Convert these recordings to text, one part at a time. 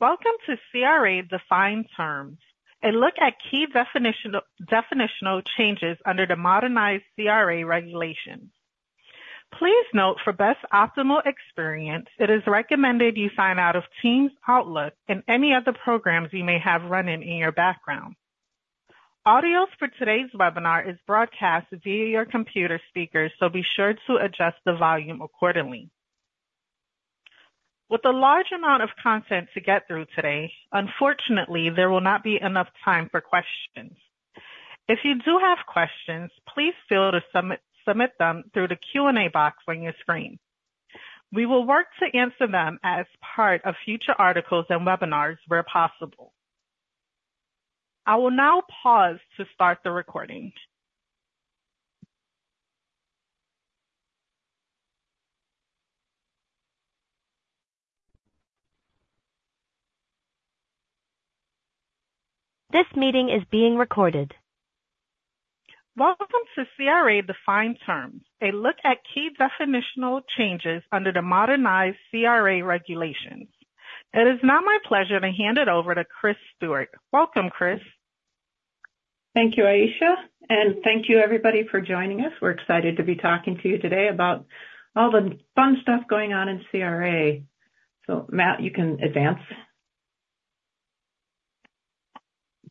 Welcome to CRA Defined Terms and look at key definitional changes under the modernized CRA regulations. Please note, for best optimal experience, it is recommended you sign out of Teams, Outlook, and any other programs you may have running in your background. Audio for today's webinar is broadcast via your computer speakers, so be sure to adjust the volume accordingly. With the large amount of content to get through today, unfortunately there will not be enough time for questions. If you do have questions, please feel free to submit them through the Q&A box on your screen. We will work to answer them as part of future articles and webinars where possible. I will now pause to start the recording. This meeting is being recorded. Welcome to CRA Defined Terms and look at key definitional changes under the modernized CRA regulations. It is now my pleasure to hand it over to Kris Stewart. Welcome, Kris. Thank you, Ayesha, and thank you everybody for joining us. We're excited to be talking to you today about all the fun stuff going on in CRA. So, Matt, you can advance.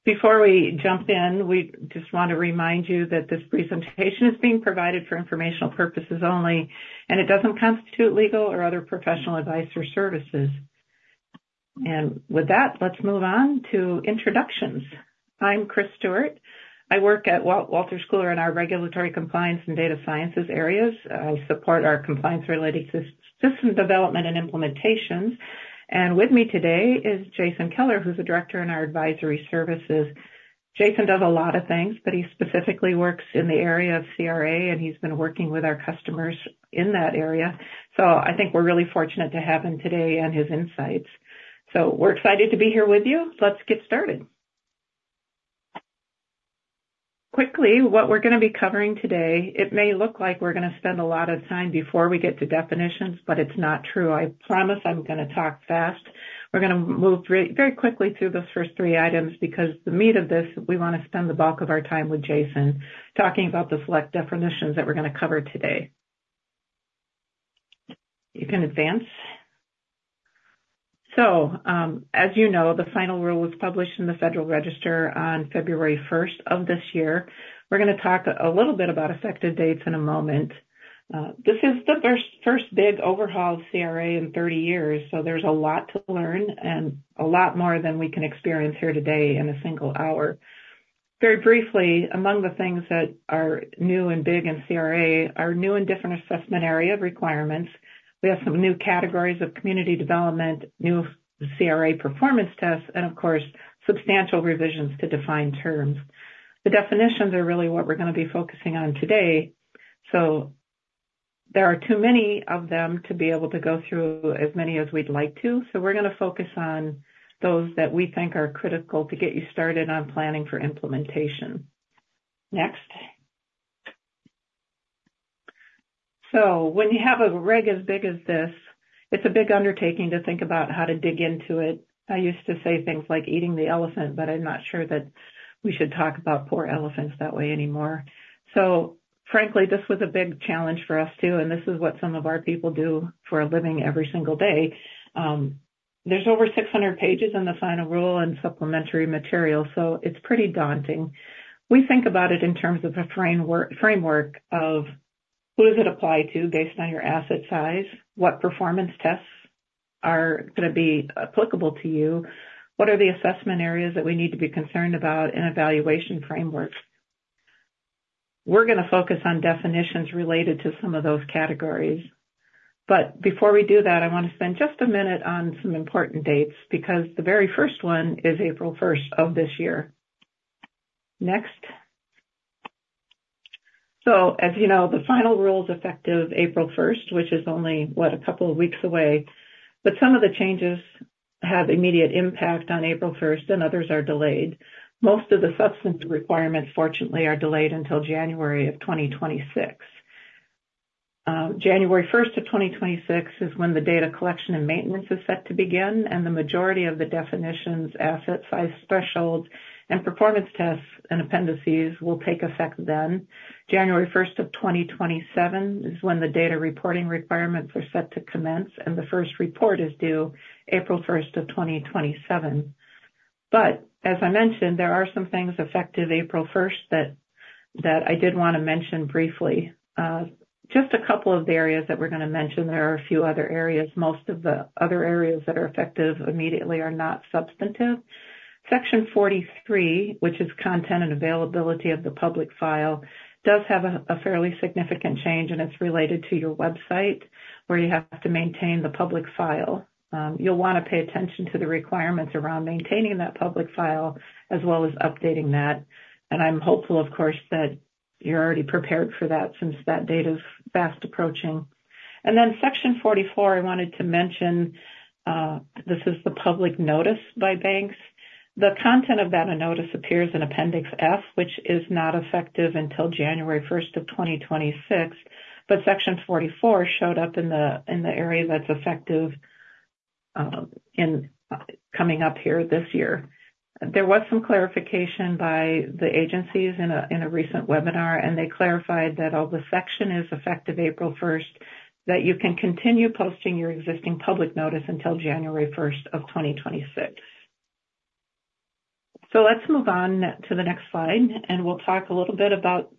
Before we jump in, we just want to remind you that this presentation is being provided for informational purposes only and it doesn't constitute legal or other professional advice or services. With that, let's move on to introductions. I'm Kris Stewart. I work at Wolters Kluwer in our regulatory compliance and data sciences areas. I support our compliance-related system development and implementations. With me today is Jason Keller, who's a director in our advisory services. Jason does a lot of things, but he specifically works in the area of CRA and he's been working with our customers in that area. So I think we're really fortunate to have him today and his insights. So we're excited to be here with you. Let's get started. Quickly, what we're going to be covering today, it may look like we're going to spend a lot of time before we get to definitions, but it's not true. I promise I'm going to talk fast. We're going to move very quickly through those first three items because the meat of this, we want to spend the bulk of our time with Jason talking about the select definitions that we're going to cover today. You can advance. So, as you know, the final rule was published in the Federal Register on February 1st of this year. We're going to talk a little bit about effective dates in a moment. This is the first big overhaul of CRA in 30 years, so there's a lot to learn and a lot more than we can experience here today in a single hour. Very briefly, among the things that are new and big in CRA are new and different assessment area requirements. We have some new categories of community development, new CRA performance tests, and of course, substantial revisions to defined terms. The definitions are really what we're going to be focusing on today. So there are too many of them to be able to go through as many as we'd like to. So we're going to focus on those that we think are critical to get you started on planning for implementation. Next. So when you have a reg as big as this, it's a big undertaking to think about how to dig into it. I used to say things like eating the elephant, but I'm not sure that we should talk about poor elephants that way anymore. So frankly, this was a big challenge for us too, and this is what some of our people do for a living every single day. There's over 600 pages in the final rule and supplementary material, so it's pretty daunting. We think about it in terms of a framework of who does it apply to based on your asset size, what performance tests are going to be applicable to you, what are the assessment areas that we need to be concerned about in evaluation frameworks. We're going to focus on definitions related to some of those categories. But before we do that, I want to spend just a minute on some important dates because the very first one is April 1st of this year. Next. So as you know, the final rule is effective April 1st, which is only, what, a couple of weeks away. But some of the changes have immediate impact on April 1st and others are delayed. Most of the substance requirements, fortunately, are delayed until January 2026. January 1st, 2026 is when the data collection and maintenance is set to begin, and the majority of the definitions, asset size thresholds, and performance tests and appendices will take effect then. January 1, 2027 is when the data reporting requirements are set to commence, and the first report is due April 1st, 2027. But as I mentioned, there are some things effective April 1st that I did want to mention briefly. Just a couple of the areas that we're going to mention, there are a few other areas. Most of the other areas that are effective immediately are not substantive. Section 43, which is content and availability of the public file, does have a fairly significant change, and it's related to your website where you have to maintain the public file. You'll want to pay attention to the requirements around maintaining that public file as well as updating that. I'm hopeful, of course, that you're already prepared for that since that date is fast approaching. Then Section 44, I wanted to mention this is the public notice by banks. The content of that notice appears in Appendix F, which is not effective until January 1st of 2026, but Section 44 showed up in the area that's effective in coming up here this year. There was some clarification by the agencies in a recent webinar, and they clarified that although the section is effective April 1st, that you can continue posting your existing public notice until January 1st, 2026. So let's move on to the next slide, and we'll talk a little bit about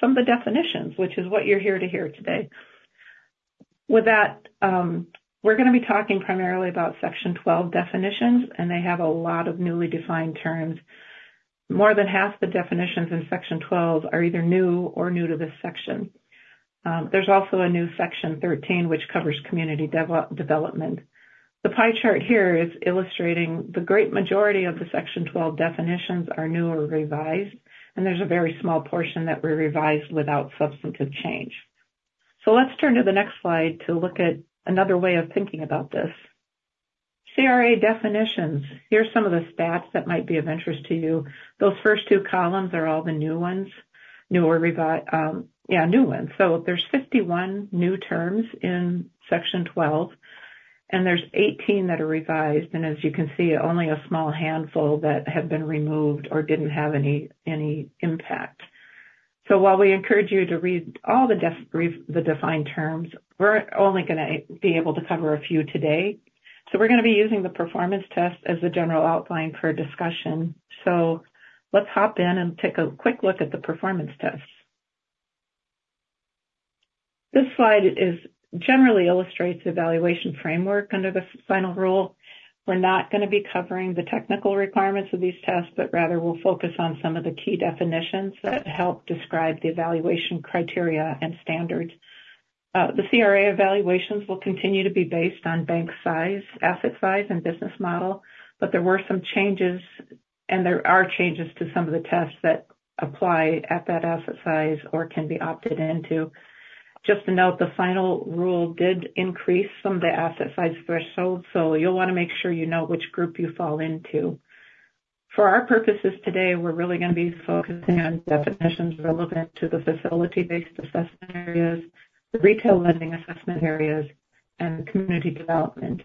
some of the definitions, which is what you're here to hear today. With that, we're going to be talking primarily about Section 12 definitions, and they have a lot of newly defined terms. More than half the definitions in Section 12 are either new or new to this section. There's also a new Section 13, which covers community development. The pie chart here is illustrating the great majority of the Section 12 definitions are new or revised, and there's a very small portion that were revised without substantive change. So let's turn to the next slide to look at another way of thinking about this. CRA definitions, here's some of the stats that might be of interest to you. Those first two columns are all the new ones, new or yeah, new ones. So there's 51 new terms in Section 12, and there's 18 that are revised, and as you can see, only a small handful that have been removed or didn't have any impact. So while we encourage you to read all the defined terms, we're only going to be able to cover a few today. So we're going to be using the performance test as a general outline for discussion. So let's hop in and take a quick look at the performance tests. This slide generally illustrates the evaluation framework under the final rule. We're not going to be covering the technical requirements of these tests, but rather we'll focus on some of the key definitions that help describe the evaluation criteria and standards. The CRA evaluations will continue to be based on bank size, asset size, and business model, but there were some changes, and there are changes to some of the tests that apply at that asset size or can be opted into. Just to note, the final rule did increase some of the asset size thresholds, so you'll want to make sure you know which group you fall into. For our purposes today, we're really going to be focusing on definitions relevant to the facility-based assessment areas, the retail lending assessment areas, and community development.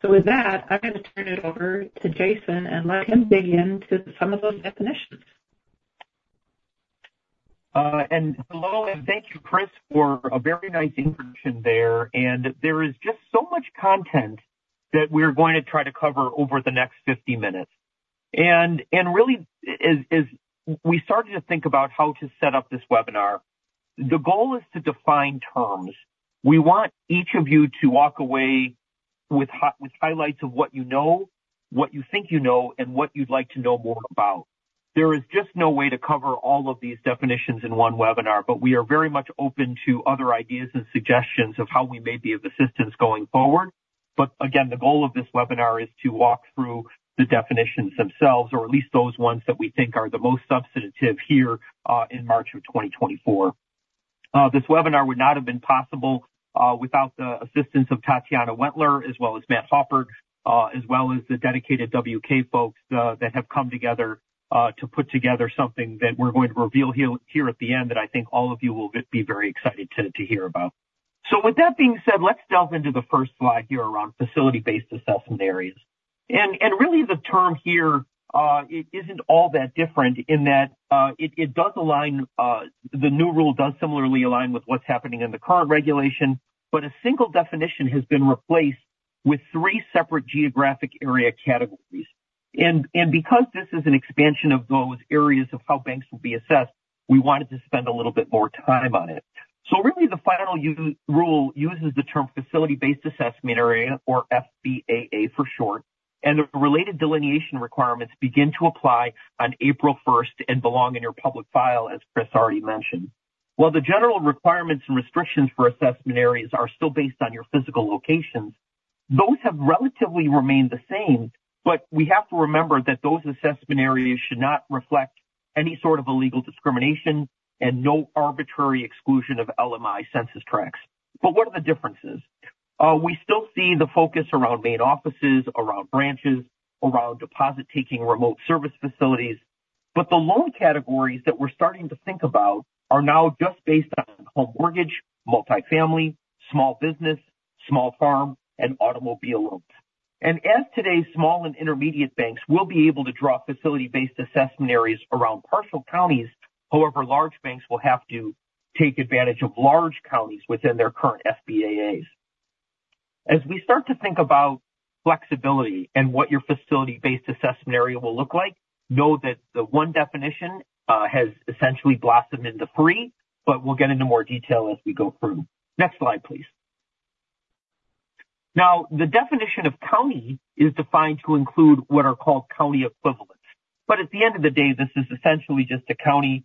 So with that, I'm going to turn it over to Jason and let him dig into some of those definitions. Hello and thank you, Kris, for a very nice introduction there. There is just so much content that we're going to try to cover over the next 50 minutes. Really, as we started to think about how to set up this webinar, the goal is to define terms. We want each of you to walk away with highlights of what you know, what you think you know, and what you'd like to know more about. There is just no way to cover all of these definitions in one webinar, but we are very much open to other ideas and suggestions of how we may be of assistance going forward. Again, the goal of this webinar is to walk through the definitions themselves, or at least those ones that we think are the most substantive here in March of 2024. This webinar would not have been possible without the assistance of Tatiana Wendler, as well as Matt Huppert, as well as the dedicated WK folks that have come together to put together something that we're going to reveal here at the end that I think all of you will be very excited to hear about. So with that being said, let's delve into the first slide here around facility-based assessment areas. Really, the term here isn't all that different in that it does align the new rule does similarly align with what's happening in the current regulation, but a single definition has been replaced with three separate geographic area categories. Because this is an expansion of those areas of how banks will be assessed, we wanted to spend a little bit more time on it. So really, the final rule uses the term facility-based assessment area, or FBAA for short, and the related delineation requirements begin to apply on April 1st and belong in your public file, as Kris already mentioned. While the general requirements and restrictions for assessment areas are still based on your physical locations, those have relatively remained the same, but we have to remember that those assessment areas should not reflect any sort of illegal discrimination and no arbitrary exclusion of LMI census tracts. But what are the differences? We still see the focus around main offices, around branches, around deposit-taking remote service facilities, but the loan categories that we're starting to think about are now just based on home mortgage, multifamily, small business, small farm, and automobile loans. Today's small and intermediate banks will be able to draw facility-based assessment areas around partial counties; however, large banks will have to take advantage of large counties within their current FBAAs. As we start to think about flexibility and what your facility-based assessment area will look like, know that the one definition has essentially blossomed into three, but we'll get into more detail as we go through. Next slide, please. Now, the definition of county is defined to include what are called county equivalents. At the end of the day, this is essentially just a county,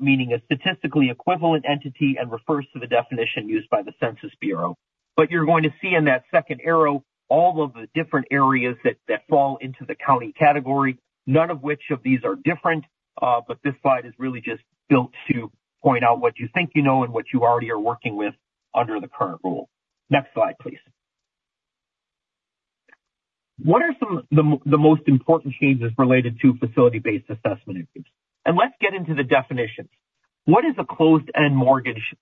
meaning a statistically equivalent entity, and refers to the definition used by the Census Bureau. But you're going to see in that second arrow all of the different areas that fall into the county category, none of which of these are different, but this slide is really just built to point out what you think you know and what you already are working with under the current rule. Next slide, please. What are some of the most important changes related to facility-based assessment areas? And let's get into the definitions. What is a closed-end mortgage,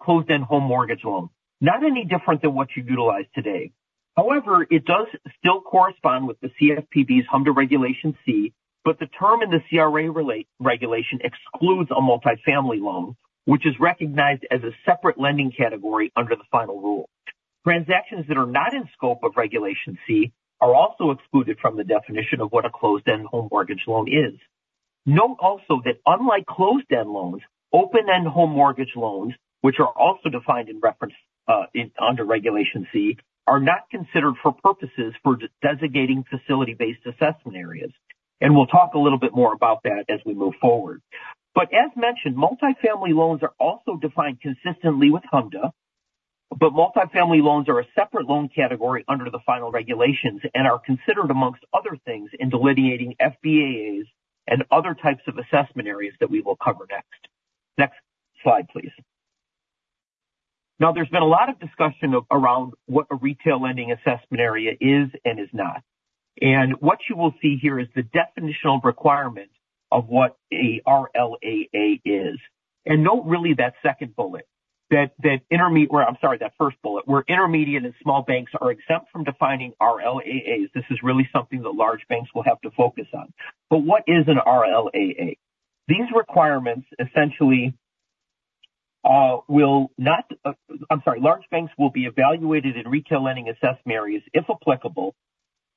closed-end home mortgage loan? Not any different than what you utilize today. However, it does still correspond with the CFPB's HMDA regulation C, but the term in the CRA regulation excludes a multifamily loan, which is recognized as a separate lending category under the final rule. Transactions that are not in scope of regulation C are also excluded from the definition of what a closed-end home mortgage loan is. Note also that unlike closed-end loans, open-end home mortgage loans, which are also defined in reference under Regulation C, are not considered for purposes for designating facility-based assessment areas. And we'll talk a little bit more about that as we move forward. But as mentioned, multifamily loans are also defined consistently with HMDA, but multifamily loans are a separate loan category under the final regulations and are considered amongst other things in delineating FBAAs and other types of assessment areas that we will cover next. Next slide, please. Now, there's been a lot of discussion around what a retail lending assessment area is and is not. And what you will see here is the definitional requirement of what an RLAA is. And note really that second bullet, that intermediate or I'm sorry, that first bullet, where intermediate and small banks are exempt from defining RLAAs. This is really something that large banks will have to focus on. But what is an RLAA? I'm sorry, large banks will be evaluated in retail lending assessment areas if applicable,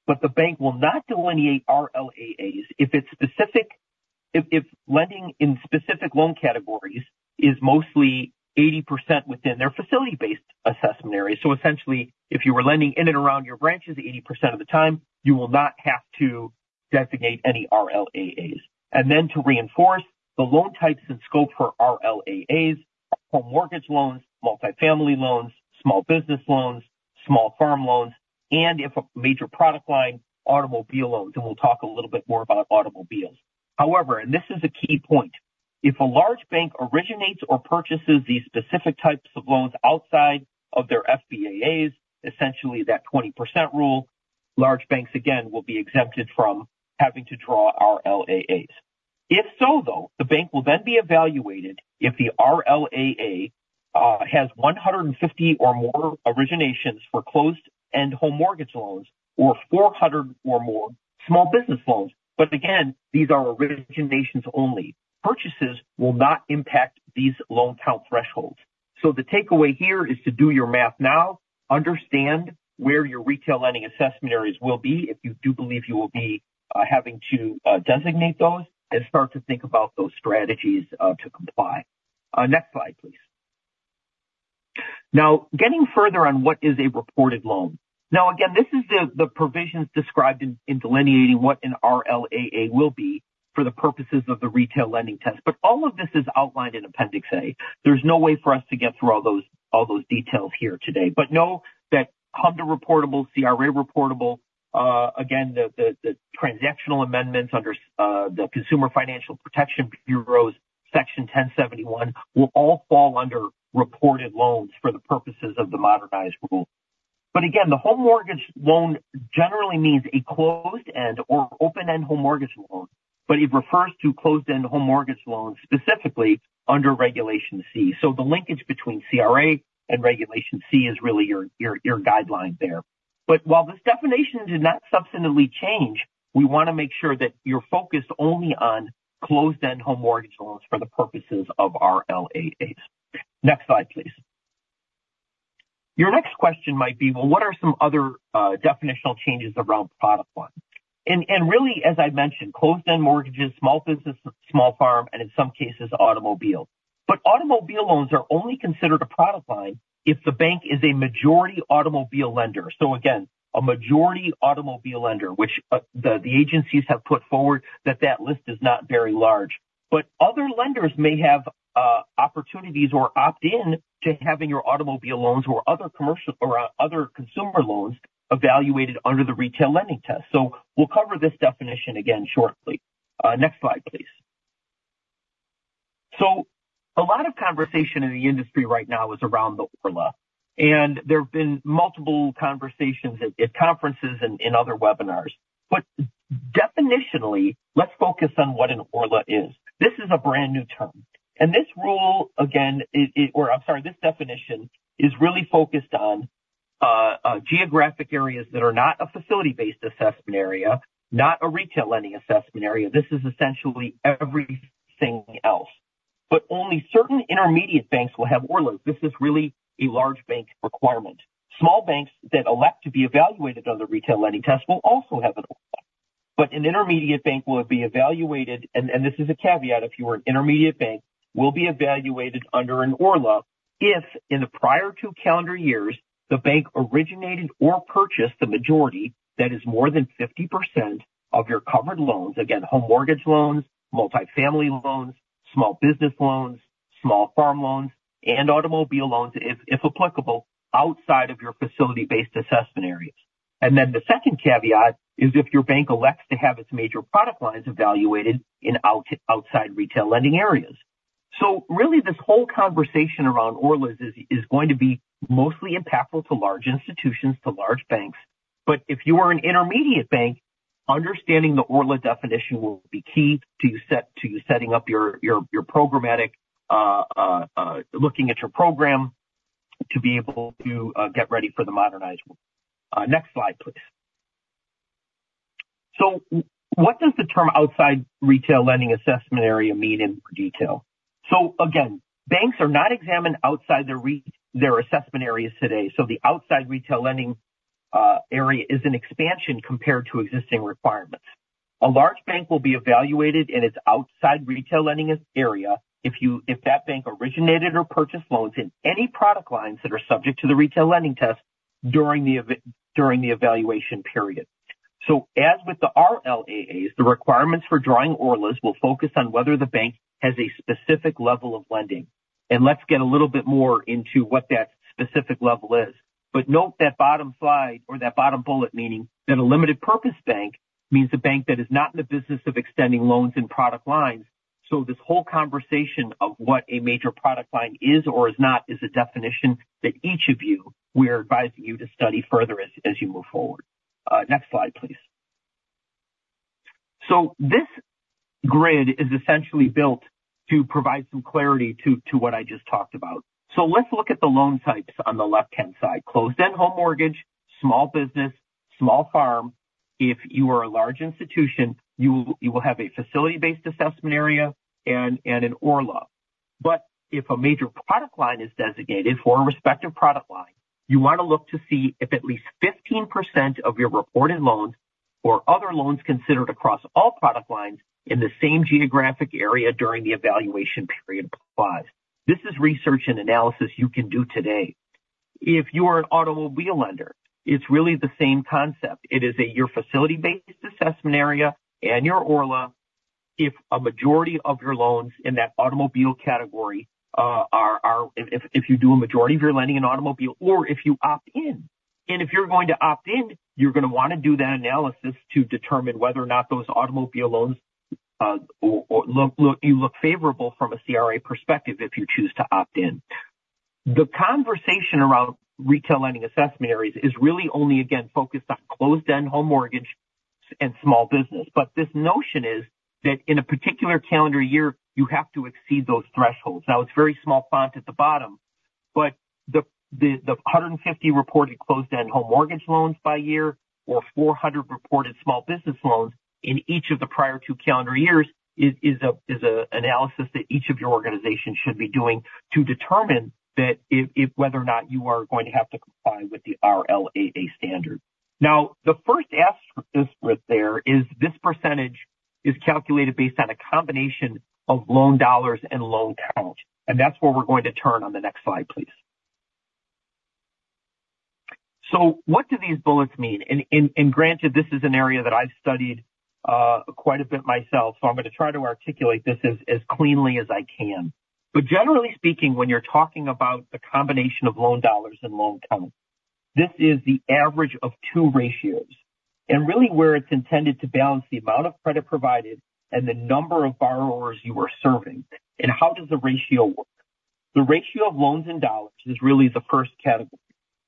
but the bank will not delineate RLAAs if lending in specific loan categories is mostly 80% within their facility-based assessment areas. So essentially, if you were lending in and around your branches 80% of the time, you will not have to designate any RLAAs. And then to reinforce, the loan types and scope for RLAAs are home mortgage loans, multifamily loans, small business loans, small farm loans, and if a major product line, automobile loans, and we'll talk a little bit more about automobiles. However, and this is a key point, if a large bank originates or purchases these specific types of loans outside of their FBAAs, essentially that 20% rule, large banks, again, will be exempted from having to draw RLAAs. If so, though, the bank will then be evaluated if the RLAA has 150 or more originations for closed-end home mortgage loans or 400 or more small business loans. But again, these are originations only. Purchases will not impact these loan count thresholds. So the takeaway here is to do your math now, understand where your retail lending assessment areas will be if you do believe you will be having to designate those, and start to think about those strategies to comply. Next slide, please. Now, getting further on what is a reported loan. Now, again, this is the provisions described in delineating what an RLAA will be for the purposes of the retail lending test. But all of this is outlined in Appendix A. There's no way for us to get through all those details here today. But know that HMDA reportable, CRA reportable, again, the transactional amendments under the Consumer Financial Protection Bureau's Section 1071 will all fall under reported loans for the purposes of the modernized rule. But again, the home mortgage loan generally means a closed-end or open-end home mortgage loan, but it refers to closed-end home mortgage loans specifically under Regulation C. So the linkage between CRA and Regulation C is really your guideline there. But while this definition did not substantively change, we want to make sure that you're focused only on closed-end home mortgage loans for the purposes of RLAAs. Next slide, please. Your next question might be, well, what are some other definitional changes around product line? And really, as I mentioned, closed-end mortgages, small business, small farm, and in some cases, automobile. But automobile loans are only considered a product line if the bank is a majority automobile lender. So again, a majority automobile lender, which the agencies have put forward, that that list is not very large. But other lenders may have opportunities or opt in to having your automobile loans or other commercial or other consumer loans evaluated under the retail lending test. So we'll cover this definition again shortly. Next slide, please. So a lot of conversation in the industry right now is around the ORLA. And there have been multiple conversations at conferences and in other webinars. But definitionally, let's focus on what an ORLA is. This is a brand new term. This rule, again, or I'm sorry, this definition is really focused on geographic areas that are not a facility-based assessment area, not a retail lending assessment area. This is essentially everything else. But only certain intermediate banks will have ORLAs. This is really a large bank requirement. Small banks that elect to be evaluated under the retail lending test will also have an ORLA. But an intermediate bank will be evaluated and this is a caveat, if you were an intermediate bank, will be evaluated under an ORLA if, in the prior two calendar years, the bank originated or purchased the majority, that is, more than 50% of your covered loans, again, home mortgage loans, multifamily loans, small business loans, small farm loans, and automobile loans, if applicable, outside of your facility-based assessment areas. And then the second caveat is if your bank elects to have its major product lines evaluated in outside retail lending areas. So really, this whole conversation around ORLAs is going to be mostly impactful to large institutions, to large banks. But if you are an intermediate bank, understanding the ORLA definition will be key to you setting up your programmatic, looking at your program to be able to get ready for the modernized rule. Next slide, please. So what does the term outside retail lending assessment area mean in more detail? So again, banks are not examined outside their assessment areas today. So the outside retail lending area is an expansion compared to existing requirements. A large bank will be evaluated in its Outside Retail Lending Area if that bank originated or purchased loans in any product lines that are subject to the Retail Lending Test during the evaluation period. So as with the RLAAs, the requirements for drawing ORLAs will focus on whether the bank has a specific level of lending. And let's get a little bit more into what that specific level is. But note that bottom slide or that bottom bullet, meaning that a limited-purpose bank means a bank that is not in the business of extending loans and product lines. So this whole conversation of what a major product line is or is not is a definition that each of you, we are advising you to study further as you move forward. Next slide, please. So this grid is essentially built to provide some clarity to what I just talked about. So let's look at the loan types on the left-hand side. Closed-end home mortgage, small business, small farm. If you are a large institution, you will have a facility-based assessment area and an ORLA. But if a major product line is designated for a respective product line, you want to look to see if at least 15% of your reported loans or other loans considered across all product lines in the same geographic area during the evaluation period applies. This is research and analysis you can do today. If you are an automobile lender, it's really the same concept. It is your facility-based assessment area and your ORLA. If a majority of your loans in that automobile category if you do a majority of your lending in automobile or if you opt in. If you're going to opt in, you're going to want to do that analysis to determine whether or not those automobile loans look favorable from a CRA perspective if you choose to opt in. The conversation around retail lending assessment areas is really only, again, focused on closed-end home mortgage and small business. But this notion is that in a particular calendar year, you have to exceed those thresholds. Now, it's very small font at the bottom, but the 150 reported closed-end home mortgage loans by year or 400 reported small business loans in each of the prior two calendar years is an analysis that each of your organizations should be doing to determine whether or not you are going to have to comply with the RLAA standard. Now, the first asterisk there is this percentage is calculated based on a combination of loan dollars and loan count. And that's where we're going to turn on the next slide, please. So what do these bullets mean? And granted, this is an area that I've studied quite a bit myself, so I'm going to try to articulate this as cleanly as I can. But generally speaking, when you're talking about the combination of loan dollars and loan counts, this is the average of two ratios. And really, where it's intended to balance the amount of credit provided and the number of borrowers you are serving. And how does the ratio work? The ratio of loans in dollars is really the first category.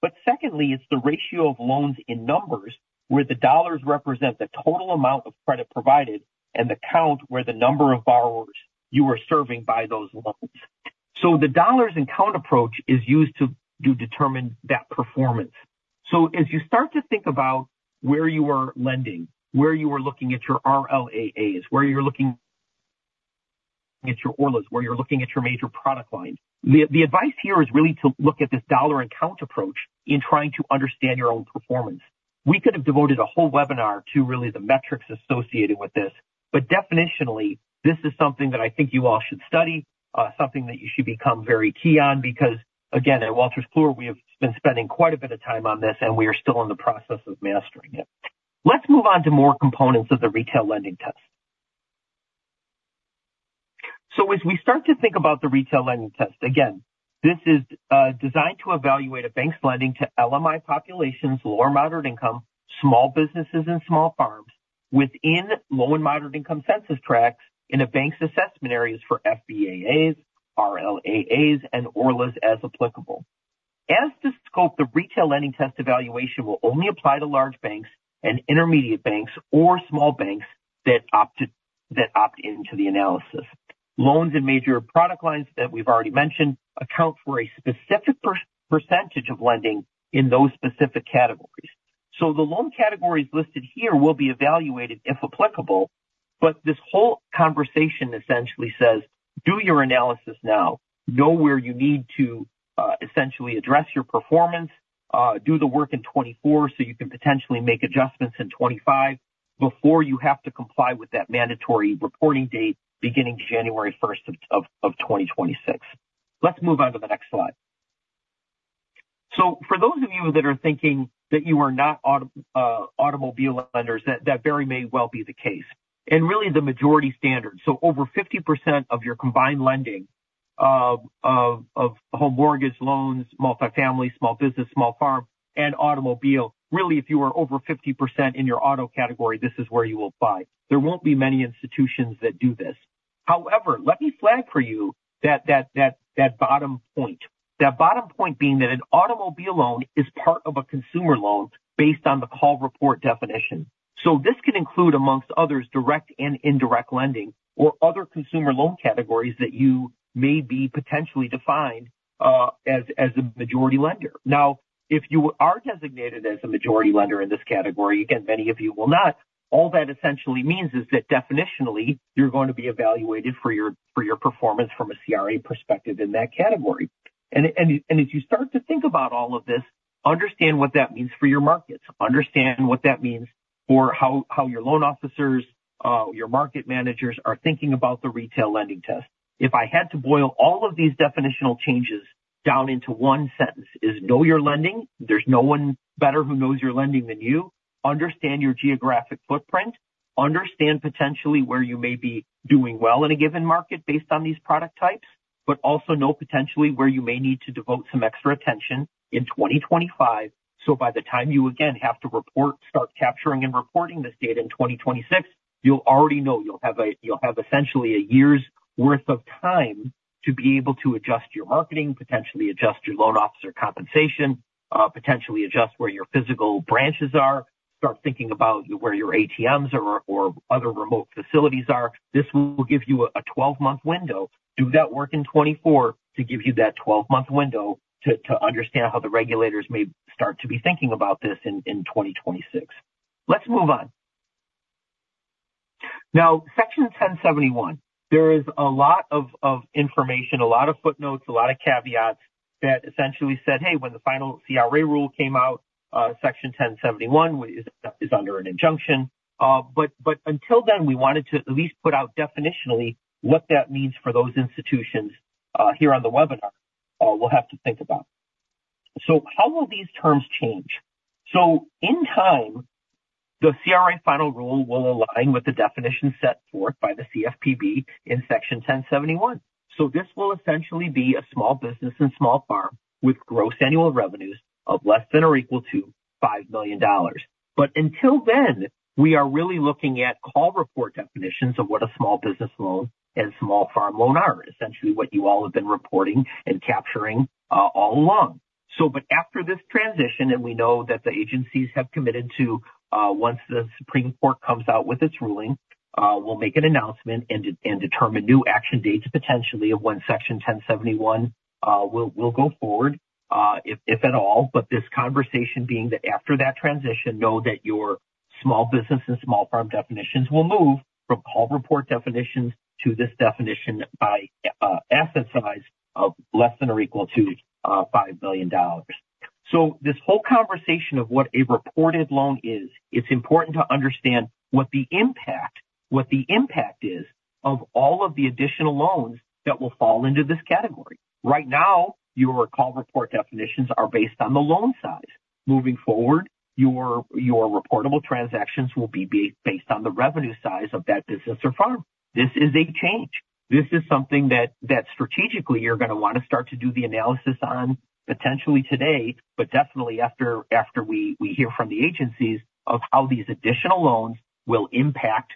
But secondly, it's the ratio of loans in numbers where the dollars represent the total amount of credit provided and the count where the number of borrowers you are serving by those loans. So the dollars and count approach is used to determine that performance. So as you start to think about where you are lending, where you are looking at your RLAAs, where you're looking at your ORLAs, where you're looking at your major product line, the advice here is really to look at this dollar and count approach in trying to understand your own performance. We could have devoted a whole webinar to really the metrics associated with this, but definitionally, this is something that I think you all should study, something that you should become very key on because, again, at Wolters Kluwer, we have been spending quite a bit of time on this, and we are still in the process of mastering it. Let's move on to more components of the retail lending test. So as we start to think about the retail lending test, again, this is designed to evaluate a bank's lending to LMI populations, low- and moderate-income, small businesses, and small farms within low- and moderate-income census tracts in a bank's assessment areas for FBAAs, RLAAs, and ORLAs as applicable. As the scope, the retail lending test evaluation will only apply to large banks and intermediate banks or small banks that opt into the analysis. Loans and major product lines that we've already mentioned account for a specific percentage of lending in those specific categories. So the loan categories listed here will be evaluated if applicable. But this whole conversation essentially says, do your analysis now. Know where you need to essentially address your performance. Do the work in 2024 so you can potentially make adjustments in 2025 before you have to comply with that mandatory reporting date beginning January 1st of 2026. Let's move on to the next slide. So for those of you that are thinking that you are not automobile lenders, that very well may be the case. And really, the majority standard, so over 50% of your combined lending of home mortgage loans, multifamily, small business, small farm, and automobile, really, if you are over 50% in your auto category, this is where you will apply. There won't be many institutions that do this. However, let me flag for you that bottom point, that bottom point being that an automobile loan is part of a consumer loan based on the Call Report definition. So this can include, among others, direct and indirect lending or other consumer loan categories that you may be potentially defined as a majority lender. Now, if you are designated as a majority lender in this category, again, many of you will not, all that essentially means is that definitionally, you're going to be evaluated for your performance from a CRA perspective in that category. And as you start to think about all of this, understand what that means for your markets. Understand what that means for how your loan officers, your market managers are thinking about the retail lending test. If I had to boil all of these definitional changes down into one sentence, it is know your lending. There's no one better who knows your lending than you. Understand your geographic footprint. Understand potentially where you may be doing well in a given market based on these product types, but also know potentially where you may need to devote some extra attention in 2025. So by the time you, again, have to report, start capturing and reporting this data in 2026, you'll already know. You'll have essentially a year's worth of time to be able to adjust your marketing, potentially adjust your loan officer compensation, potentially adjust where your physical branches are, start thinking about where your ATMs or other remote facilities are. This will give you a 12-month window. Do that work in 2024 to give you that 12-month window to understand how the regulators may start to be thinking about this in 2026. Let's move on. Now, Section 1071, there is a lot of information, a lot of footnotes, a lot of caveats that essentially said, "Hey, when the final CRA rule came out, Section 1071 is under an injunction." But until then, we wanted to at least put out definitionally what that means for those institutions here on the webinar we'll have to think about. So how will these terms change? So in time, the CRA final rule will align with the definition set forth by the CFPB in Section 1071. So this will essentially be a small business and small farm with gross annual revenues of less than or equal to $5 million. But until then, we are really looking at Call Report definitions of what a small business loan and small farm loan are, essentially what you all have been reporting and capturing all along. But after this transition, and we know that the agencies have committed to, once the Supreme Court comes out with its ruling, we'll make an announcement and determine new action dates potentially of when Section 1071 will go forward, if at all. But this conversation being that after that transition, know that your small business and small farm definitions will move from Call Report definitions to this definition by asset size of less than or equal to $5 million. So this whole conversation of what a reported loan is, it's important to understand what the impact is of all of the additional loans that will fall into this category. Right now, your Call Report definitions are based on the loan size. Moving forward, your reportable transactions will be based on the revenue size of that business or farm. This is a change. This is something that strategically, you're going to want to start to do the analysis on potentially today, but definitely after we hear from the agencies of how these additional loans will impact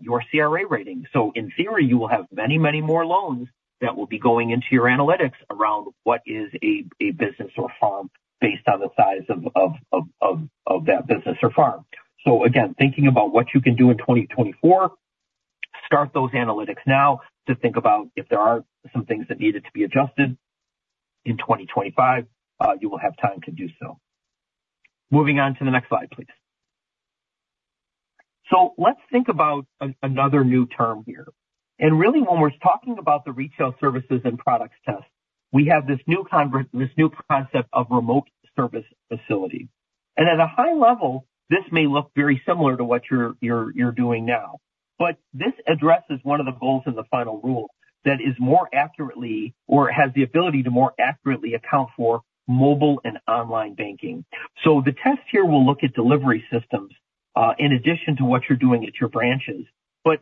your CRA rating. So in theory, you will have many, many more loans that will be going into your analytics around what is a business or farm based on the size of that business or farm. So again, thinking about what you can do in 2024, start those analytics now to think about if there are some things that needed to be adjusted in 2025, you will have time to do so. Moving on to the next slide, please. So let's think about another new term here. And really, when we're talking about the retail services and products test, we have this new concept of Remote Service Facility. At a high level, this may look very similar to what you're doing now, but this addresses one of the goals in the final rule that is more accurately or has the ability to more accurately account for mobile and online banking. The test here will look at delivery systems in addition to what you're doing at your branches.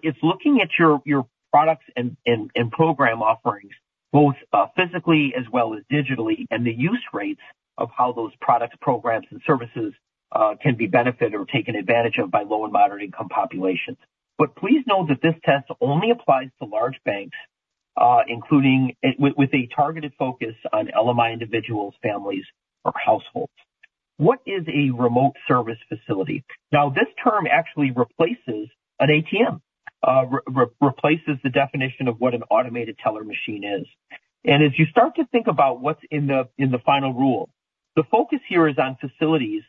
It's looking at your products and program offerings, both physically as well as digitally, and the use rates of how those products, programs, and services can be benefited or taken advantage of by low- and moderate-income populations. Please note that this test only applies to large banks, with a targeted focus on LMI individuals, families, or households. What is a Remote Service Facility? Now, this term actually replaces an ATM, replaces the definition of what an automated teller machine is. As you start to think about what's in the final rule, the focus here is on facilities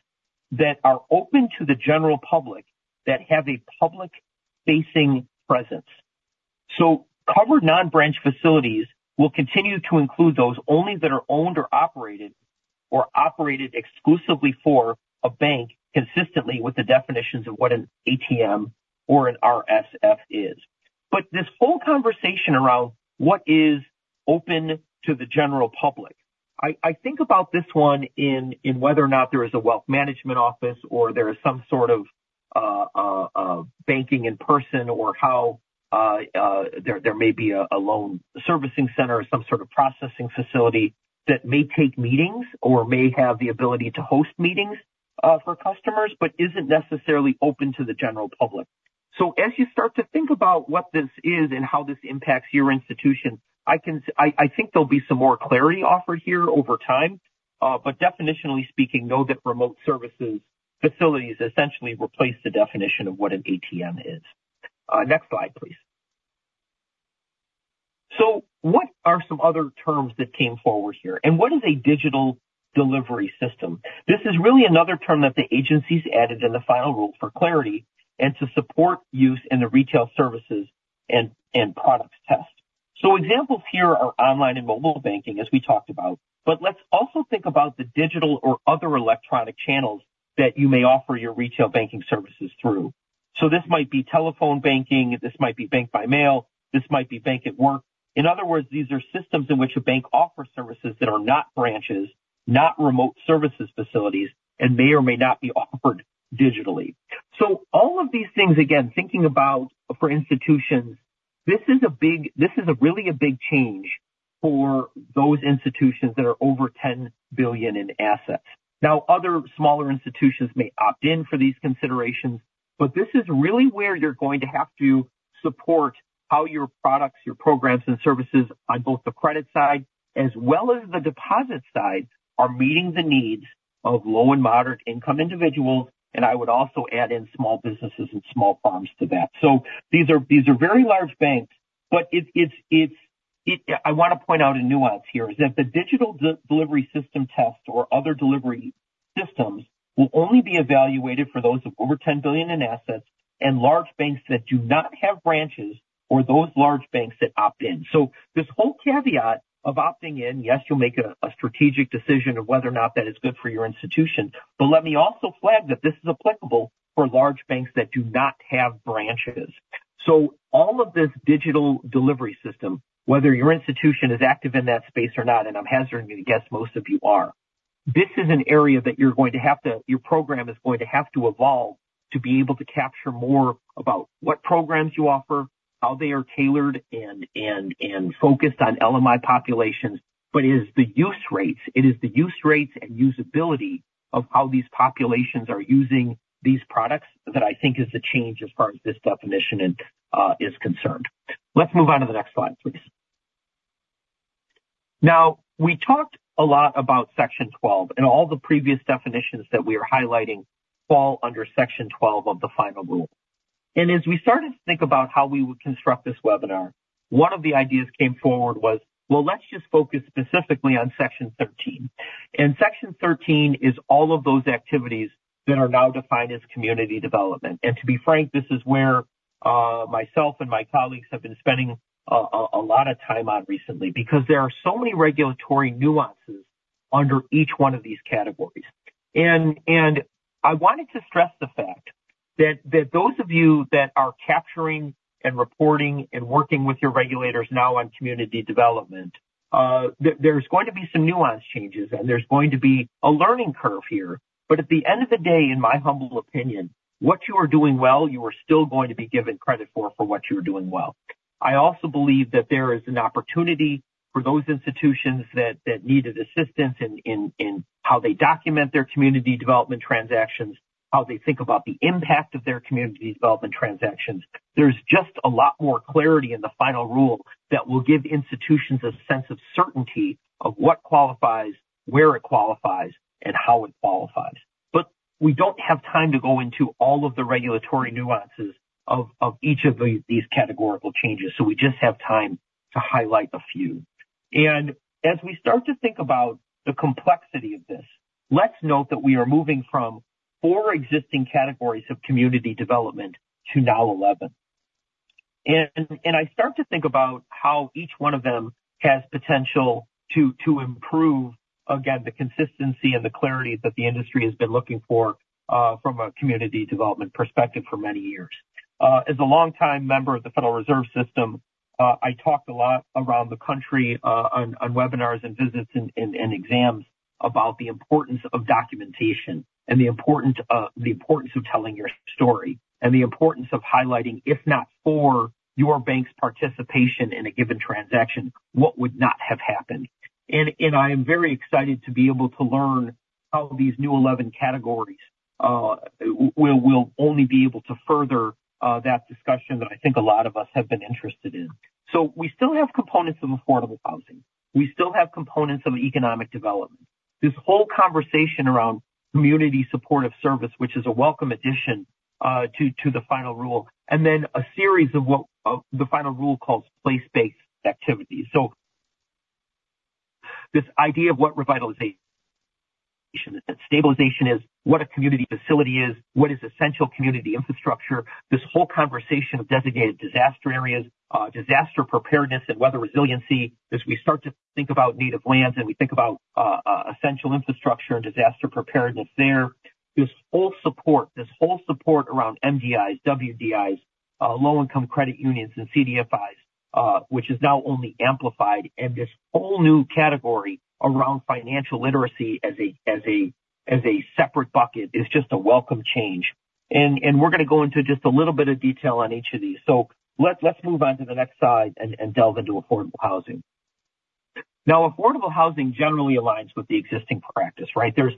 that are open to the general public that have a public-facing presence. So covered non-branch facilities will continue to include those only that are owned or operated or operated exclusively for a bank consistently with the definitions of what an ATM or an RSF is. But this whole conversation around what is open to the general public, I think about this one in whether or not there is a wealth management office or there is some sort of banking in person or how there may be a loan servicing center or some sort of processing facility that may take meetings or may have the ability to host meetings for customers but isn't necessarily open to the general public. So as you start to think about what this is and how this impacts your institution, I think there'll be some more clarity offered here over time. But definitionally speaking, know that remote service facilities essentially replace the definition of what an ATM is. Next slide, please. So what are some other terms that came forward here? And what is a digital delivery system? This is really another term that the agencies added in the final rule for clarity and to support use in the retail services and products test. So examples here are online and mobile banking, as we talked about. But let's also think about the digital or other electronic channels that you may offer your retail banking services through. So this might be telephone banking. This might be bank by mail. This might be bank at work. In other words, these are systems in which a bank offers services that are not branches, not remote service facilities, and may or may not be offered digitally. So all of these things, again, thinking about for institutions, this is really a big change for those institutions that are over $10 billion in assets. Now, other smaller institutions may opt in for these considerations, but this is really where you're going to have to support how your products, your programs, and services on both the credit side as well as the deposit side are meeting the needs of low- and moderate-income individuals. And I would also add in small businesses and small farms to that. So these are very large banks. But I want to point out a nuance here, that the Digital Delivery System test or other delivery systems will only be evaluated for those of over $10 billion in assets and large banks that do not have branches or those large banks that opt in. So this whole caveat of opting in, yes, you'll make a strategic decision of whether or not that is good for your institution. But let me also flag that this is applicable for large banks that do not have branches. So all of this digital delivery system, whether your institution is active in that space or not, and I'm hazarding to guess most of you are, this is an area that you're going to have to your program is going to have to evolve to be able to capture more about what programs you offer, how they are tailored and focused on LMI populations. But it is the use rates. It is the use rates and usability of how these populations are using these products that I think is the change as far as this definition is concerned. Let's move on to the next slide, please. Now, we talked a lot about Section 12, and all the previous definitions that we are highlighting fall under Section 12 of the final rule. As we started to think about how we would construct this webinar, one of the ideas came forward was, "Well, let's just focus specifically on Section 13." Section 13 is all of those activities that are now defined as community development. To be frank, this is where myself and my colleagues have been spending a lot of time on recently because there are so many regulatory nuances under each one of these categories. I wanted to stress the fact that those of you that are capturing and reporting and working with your regulators now on community development, there's going to be some nuance changes, and there's going to be a learning curve here. But at the end of the day, in my humble opinion, what you are doing well, you are still going to be given credit for what you are doing well. I also believe that there is an opportunity for those institutions that needed assistance in how they document their Community Development transactions, how they think about the impact of their Community Development transactions. There's just a lot more clarity in the final rule that will give institutions a sense of certainty of what qualifies, where it qualifies, and how it qualifies. But we don't have time to go into all of the regulatory nuances of each of these categorical changes, so we just have time to highlight a few. As we start to think about the complexity of this, let's note that we are moving from four existing categories of Community Development to now 11. I start to think about how each one of them has potential to improve, again, the consistency and the clarity that the industry has been looking for from a community development perspective for many years. As a longtime member of the Federal Reserve System, I talked a lot around the country on webinars and visits and exams about the importance of documentation and the importance of telling your story and the importance of highlighting, if not for your bank's participation in a given transaction, what would not have happened. And I am very excited to be able to learn how these new 11 categories will only be able to further that discussion that I think a lot of us have been interested in. So we still have components of affordable housing. We still have components of economic development. This whole conversation around community supportive service, which is a welcome addition to the final rule, and then a series of what the final rule calls place-based activities. So this idea of what revitalization is, what a community facility is, what is essential community infrastructure, this whole conversation of designated disaster areas, disaster preparedness, and weather resiliency, as we start to think about native lands and we think about essential infrastructure and disaster preparedness there, this whole support around MDIs, WDIs, low-income credit unions, and CDFIs, which is now only amplified. And this whole new category around financial literacy as a separate bucket is just a welcome change. And we're going to go into just a little bit of detail on each of these. So let's move on to the next slide and delve into affordable housing. Now, affordable housing generally aligns with the existing practice, right? There's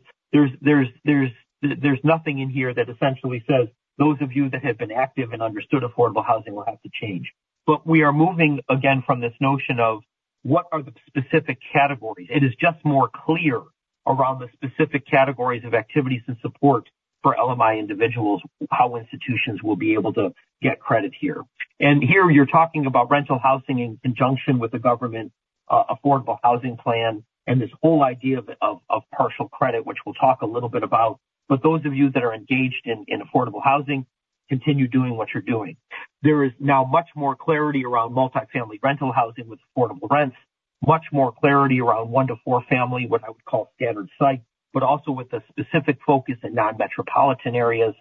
nothing in here that essentially says those of you that have been active and understood affordable housing will have to change. But we are moving, again, from this notion of what are the specific categories. It is just more clear around the specific categories of activities and support for LMI individuals, how institutions will be able to get credit here. And here, you're talking about rental housing in conjunction with the government affordable housing plan and this whole idea of partial credit, which we'll talk a little bit about. But those of you that are engaged in affordable housing, continue doing what you're doing. There is now much more clarity around multifamily rental housing with affordable rents, much more clarity around one to four family, what I would call standard site, but also with a specific focus in non-metropolitan areas.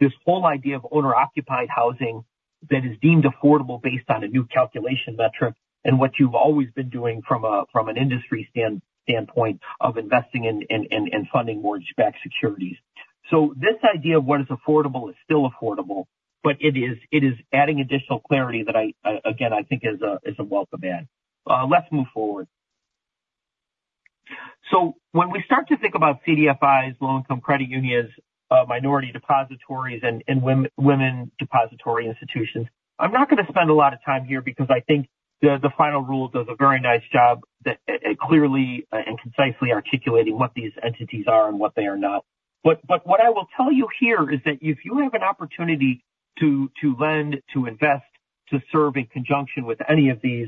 This whole idea of owner-occupied housing that is deemed affordable based on a new calculation metric and what you've always been doing from an industry standpoint of investing in funding mortgage-backed securities. So this idea of what is affordable is still affordable, but it is adding additional clarity that, again, I think is a welcome add. Let's move forward. So when we start to think about CDFIs, low-income credit unions, minority depository institutions, and women's depository institutions, I'm not going to spend a lot of time here because I think the final rule does a very nice job clearly and concisely articulating what these entities are and what they are not. But what I will tell you here is that if you have an opportunity to lend, to invest, to serve in conjunction with any of these,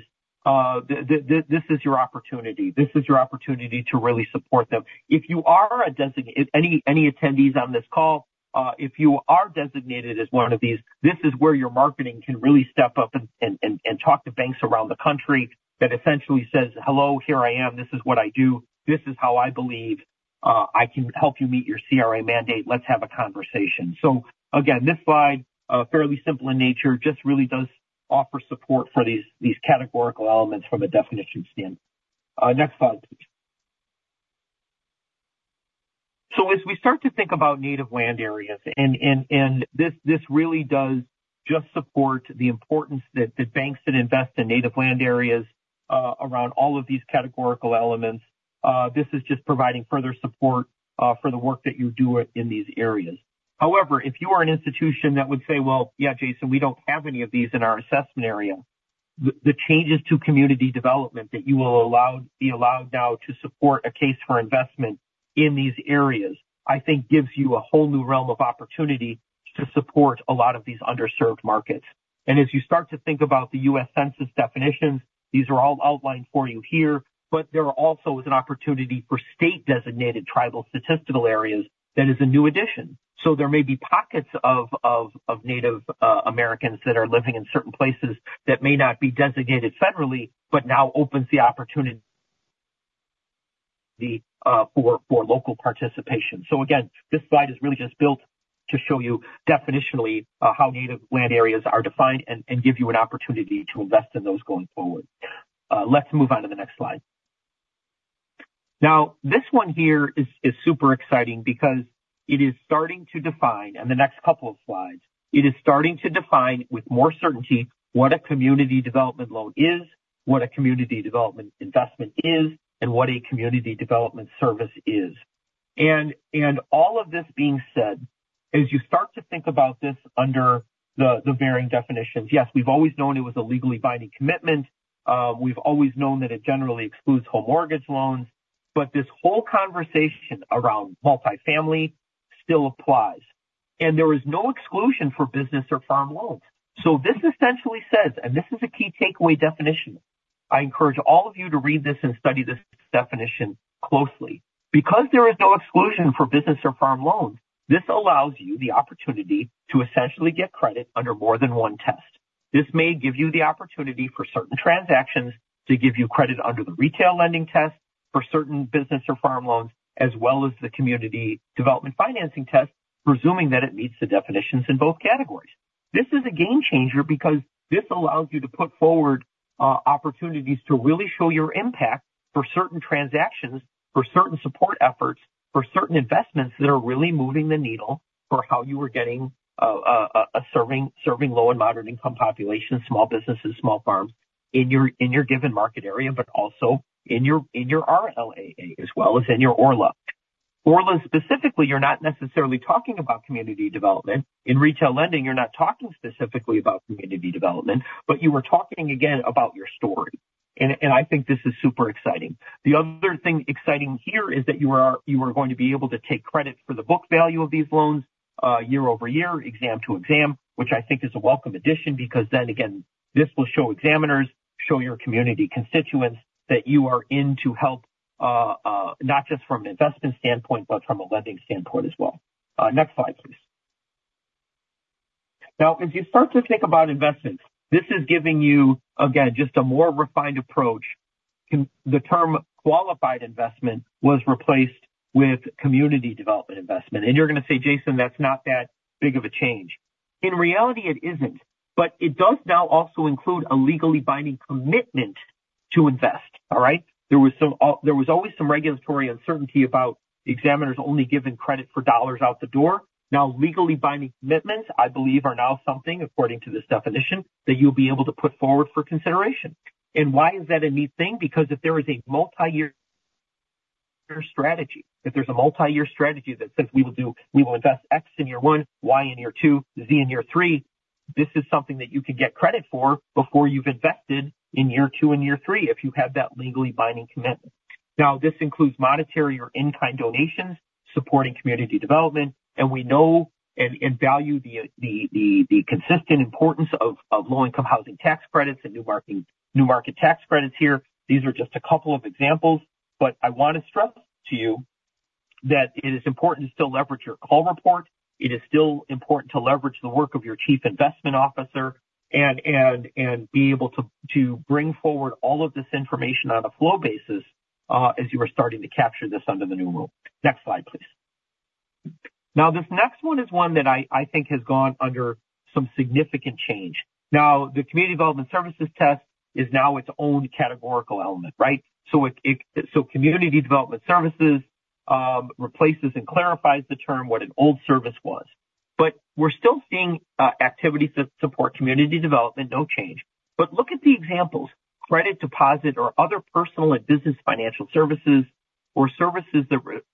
this is your opportunity. This is your opportunity to really support them. If you are any attendees on this call, if you are designated as one of these, this is where your marketing can really step up and talk to banks around the country that essentially says, "Hello. Here I am. This is what I do. This is how I believe. I can help you meet your CRA mandate. Let's have a conversation." So again, this slide, fairly simple in nature, just really does offer support for these categorical elements from a definition standpoint. Next slide, please. So as we start to think about native land areas, and this really does just support the importance that banks that invest in native land areas around all of these categorical elements, this is just providing further support for the work that you do in these areas. However, if you are an institution that would say, "Well, yeah, Jason, we don't have any of these in our assessment area," the changes to community development that you will be allowed now to support a case for investment in these areas, I think gives you a whole new realm of opportunity to support a lot of these underserved markets. And as you start to think about the U.S. Census definitions, these are all outlined for you here. But there also is an opportunity for state-designated tribal statistical areas that is a new addition. So there may be pockets of Native Americans that are living in certain places that may not be designated federally but now opens the opportunity for local participation. So again, this slide is really just built to show you definitionally how native land areas are defined and give you an opportunity to invest in those going forward. Let's move on to the next slide. Now, this one here is super exciting because it is starting to define in the next couple of slides, it is starting to define with more certainty what a community development loan is, what a community development investment is, and what a community development service is. And all of this being said, as you start to think about this under the varying definitions, yes, we've always known it was a legally binding commitment. We've always known that it generally excludes home mortgage loans. But this whole conversation around multifamily still applies. And there is no exclusion for business or farm loans. So this essentially says, and this is a key takeaway definition, I encourage all of you to read this and study this definition closely. Because there is no exclusion for business or farm loans, this allows you the opportunity to essentially get credit under more than one test. This may give you the opportunity for certain transactions to give you credit under the retail lending test for certain business or farm loans as well as the community development financing test, presuming that it meets the definitions in both categories. This is a game changer because this allows you to put forward opportunities to really show your impact for certain transactions, for certain support efforts, for certain investments that are really moving the needle for how you are getting a serving low and moderate income populations, small businesses, small farms in your given market area but also in your RLAA as well as in your ORLA. ORLA specifically, you're not necessarily talking about community development. In retail lending, you're not talking specifically about community development. But you are talking, again, about your story. I think this is super exciting. The other thing exciting here is that you are going to be able to take credit for the book value of these loans year over year, exam to exam, which I think is a welcome addition because then, again, this will show examiners, show your community constituents that you are in to help not just from an investment standpoint but from a lending standpoint as well. Next slide, please. Now, as you start to think about investments, this is giving you, again, just a more refined approach. The term qualified investment was replaced with community development investment. And you're going to say, "Jason, that's not that big of a change." In reality, it isn't. But it does now also include a legally binding commitment to invest, all right? There was always some regulatory uncertainty about examiners only giving credit for dollars out the door. Now, legally binding commitments, I believe, are now something, according to this definition, that you'll be able to put forward for consideration. Why is that a neat thing? Because if there is a multi-year strategy, if there's a multi-year strategy that says we will invest X in year one, Y in year two, Z in year three, this is something that you can get credit for before you've invested in year two and year three if you have that legally binding commitment. Now, this includes monetary or in-kind donations supporting community development. And we know and value the consistent importance of Low-Income Housing Tax Credits and New Markets Tax Credits here. These are just a couple of examples. But I want to stress to you that it is important to still leverage your Call Report. It is still important to leverage the work of your chief investment officer and be able to bring forward all of this information on a flow basis as you are starting to capture this under the new rule. Next slide, please. Now, this next one is one that I think has gone under some significant change. Now, the Community Development Services Test is now its own categorical element, right? So community development services replaces and clarifies the term, what an old service was. But we're still seeing activities that support community development, no change. But look at the examples: credit deposit or other personal and business financial services or services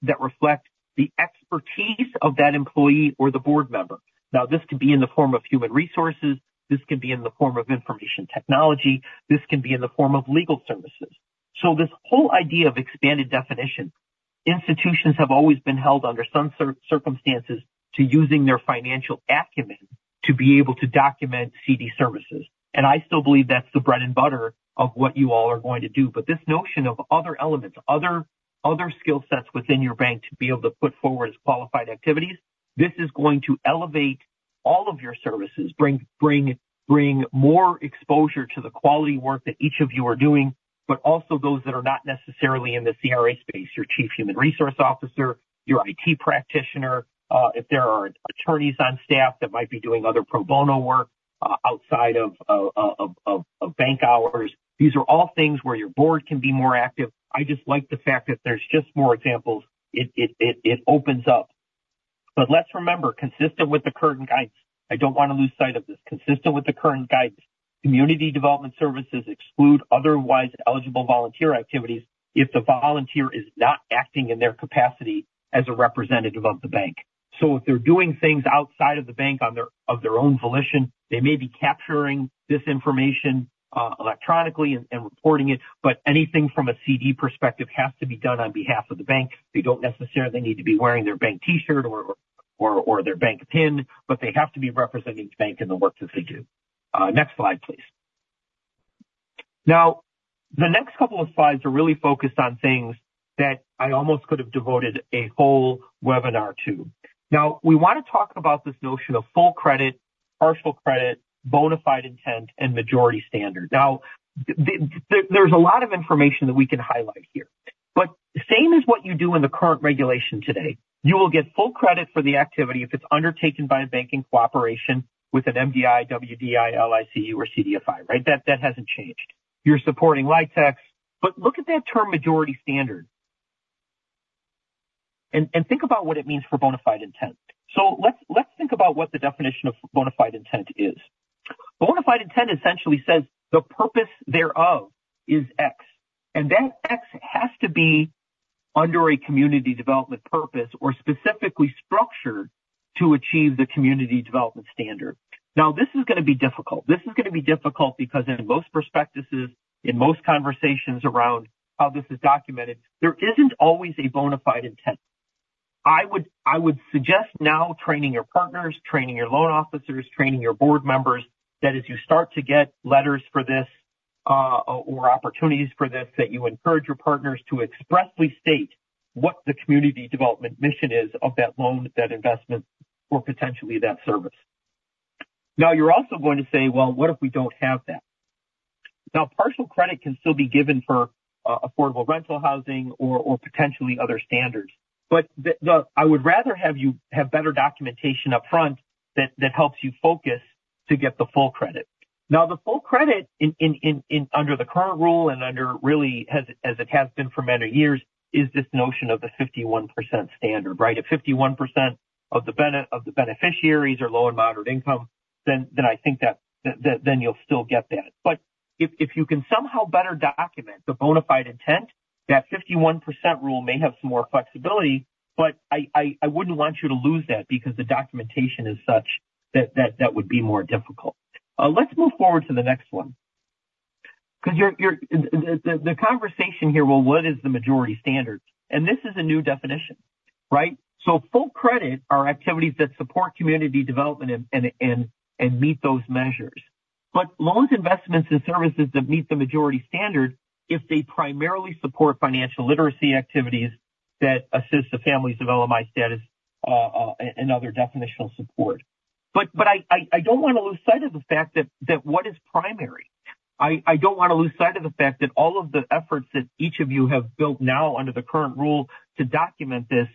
that reflect the expertise of that employee or the board member. Now, this could be in the form of human resources. This could be in the form of information technology. This can be in the form of legal services. So this whole idea of expanded definition, institutions have always been held under some circumstances to using their financial acumen to be able to document CD services. And I still believe that's the bread and butter of what you all are going to do. But this notion of other elements, other skill sets within your bank to be able to put forward as qualified activities, this is going to elevate all of your services, bring more exposure to the quality work that each of you are doing but also those that are not necessarily in the CRA space, your chief human resource officer, your IT practitioner, if there are attorneys on staff that might be doing other pro bono work outside of bank hours. These are all things where your board can be more active. I just like the fact that there's just more examples. It opens up. Let's remember, consistent with the current guidance, I don't want to lose sight of this. Consistent with the current guidance, Community Development Services exclude otherwise eligible volunteer activities if the volunteer is not acting in their capacity as a representative of the bank. If they're doing things outside of the bank of their own volition, they may be capturing this information electronically and reporting it. Anything from a CD perspective has to be done on behalf of the bank. They don't necessarily need to be wearing their bank T-shirt or their bank pin. They have to be representing the bank in the work that they do. Next slide, please. Now, the next couple of slides are really focused on things that I almost could have devoted a whole webinar to. Now, we want to talk about this notion of full credit, partial credit, bona fide intent, and majority standard. Now, there's a lot of information that we can highlight here. But same as what you do in the current regulation today, you will get full credit for the activity if it's undertaken in cooperation with an MDI, WDI, LICU, or CDFI, right? That hasn't changed. You're supporting LMI. But look at that term majority standard and think about what it means for bona fide intent. So let's think about what the definition of bona fide intent is. Bona fide intent essentially says the purpose thereof is X. And that X has to be under a community development purpose or specifically structured to achieve the community development purpose. Now, this is going to be difficult. This is going to be difficult because in most prospectuses, in most conversations around how this is documented, there isn't always a bona fide intent. I would suggest now training your partners, training your loan officers, training your board members that as you start to get letters for this or opportunities for this, that you encourage your partners to expressly state what the community development mission is of that loan, that investment, or potentially that service. Now, you're also going to say, "Well, what if we don't have that?" Now, partial credit can still be given for affordable rental housing or potentially other standards. But I would rather have you have better documentation upfront that helps you focus to get the full credit. Now, the full credit under the current rule and under really, as it has been for many years, is this notion of the 51% standard, right? If 51% of the beneficiaries are low- and moderate-income, then I think that then you'll still get that. But if you can somehow better document the bona fide intent, that 51% rule may have some more flexibility. But I wouldn't want you to lose that because the documentation is such that that would be more difficult. Let's move forward to the next one because the conversation here, "Well, what is the majority standard?" And this is a new definition, right? So full credit are activities that support community development and meet those measures. But loans, investments, and services that meet the majority standard, if they primarily support financial literacy activities that assist the families of LMI areas status and other definitional support. But I don't want to lose sight of the fact that what is primary? I don't want to lose sight of the fact that all of the efforts that each of you have built now under the current rule to document this;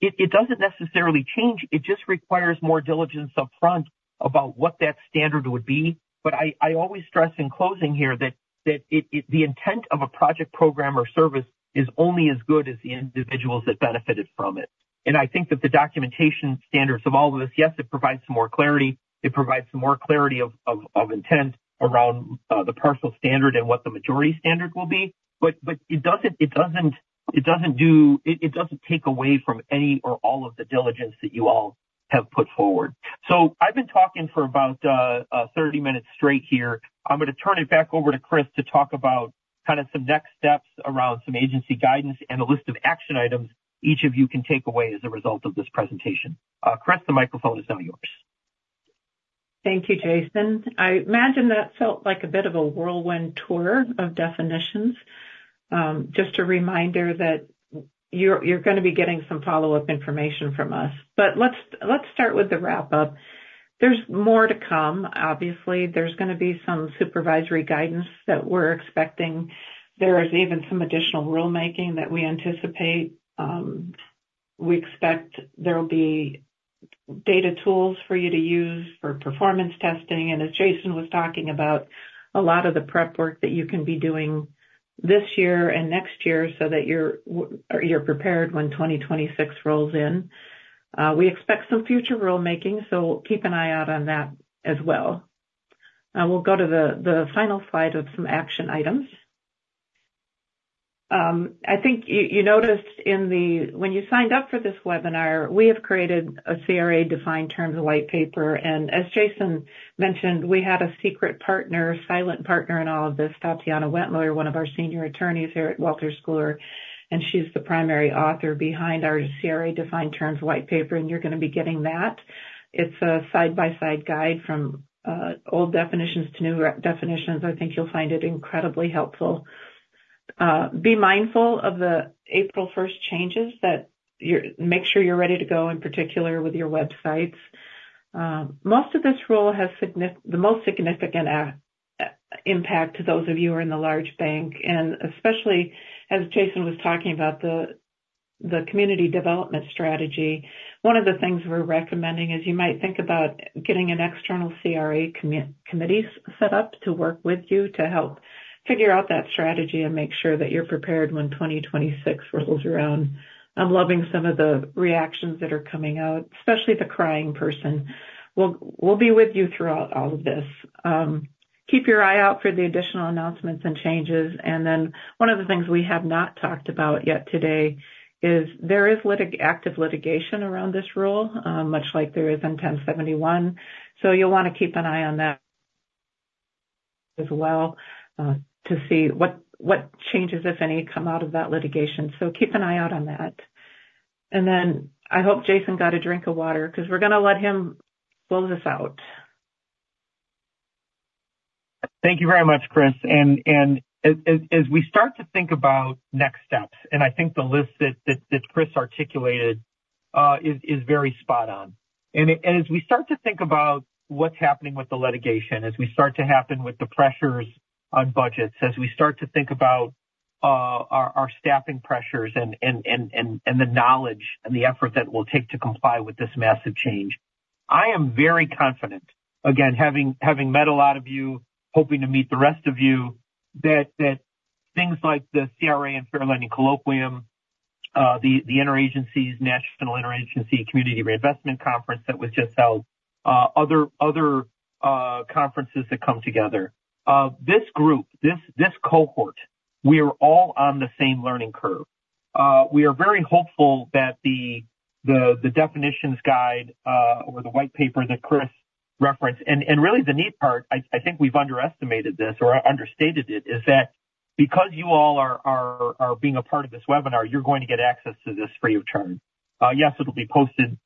it doesn't necessarily change. It just requires more diligence upfront about what that standard would be. But I always stress in closing here that the intent of a project, program, or service is only as good as the individuals that benefited from it. And I think that the documentation standards of all of this, yes, it provides some more clarity. It provides some more clarity of intent around the partial standard and what the majority standard will be. But it doesn't do it doesn't take away from any or all of the diligence that you all have put forward. So I've been talking for about 30 minutes straight here. I'm going to turn it back over to Kris to talk about kind of some next steps around some agency guidance and a list of action items each of you can take away as a result of this presentation. Kris, the microphone is now yours. Thank you, Jason. I imagine that felt like a bit of a whirlwind tour of definitions. Just a reminder that you're going to be getting some follow-up information from us. But let's start with the wrap-up. There's more to come, obviously. There's going to be some supervisory guidance that we're expecting. There is even some additional rulemaking that we anticipate. We expect there'll be data tools for you to use for performance testing. And as Jason was talking about, a lot of the prep work that you can be doing this year and next year so that you're prepared when 2026 rolls in. We expect some future rulemaking. So keep an eye out on that as well. We'll go to the final slide of some action items. I think you noticed in the when you signed up for this webinar, we have created a CRA Defined Terms white paper. As Jason mentioned, we had a secret partner, silent partner in all of this, Tatiana Wendler, one of our senior attorneys here at Wolters Kluwer. She's the primary author behind our CRA Defined Terms white paper. You're going to be getting that. It's a side-by-side guide from old definitions to new definitions. I think you'll find it incredibly helpful. Be mindful of the April 1st changes that make sure you're ready to go, in particular, with your websites. Most of this rule has the most significant impact to those of you who are in the large bank. Especially as Jason was talking about the community development strategy, one of the things we're recommending is you might think about getting an external CRA committee set up to work with you to help figure out that strategy and make sure that you're prepared when 2026 rolls around. I'm loving some of the reactions that are coming out, especially the crying person. We'll be with you throughout all of this. Keep your eye out for the additional announcements and changes. And then one of the things we have not talked about yet today is there is active litigation around this rule, much like there is in 1071. So you'll want to keep an eye on that as well to see what changes, if any, come out of that litigation. So keep an eye out on that. And then I hope Jason got a drink of water because we're going to let him close us out. Thank you very much, Kris. As we start to think about next steps, and I think the list that Kris articulated is very spot on. As we start to think about what's happening with the litigation, as we start to think about the pressures on budgets, as we start to think about our staffing pressures and the knowledge and the effort that it will take to comply with this massive change, I am very confident, again, having met a lot of you, hoping to meet the rest of you, that things like the CRA and Fair Lending Colloquium, the interagencies, National Interagency Community Reinvestment Conference that was just held, other conferences that come together, this group, this cohort, we are all on the same learning curve. We are very hopeful that the definitions guide or the white paper that Kris referenced and really the neat part, I think we've underestimated this or understated it, is that because you all are being a part of this webinar, you're going to get access to this free of charge. Yes, it'll be posted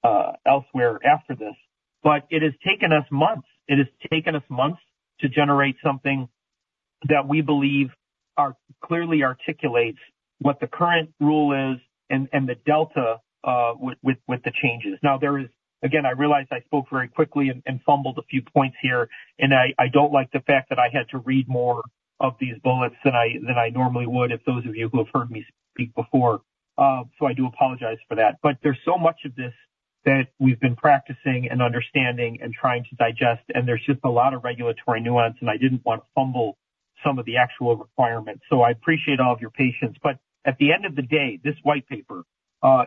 elsewhere after this. But it has taken us months. It has taken us months to generate something that we believe clearly articulates what the current rule is and the delta with the changes. Now, there is again, I realize I spoke very quickly and fumbled a few points here. And I don't like the fact that I had to read more of these bullets than I normally would if those of you who have heard me speak before. So I do apologize for that. There's so much of this that we've been practicing and understanding and trying to digest. There's just a lot of regulatory nuance. I didn't want to fumble some of the actual requirements. So I appreciate all of your patience. At the end of the day, this white paper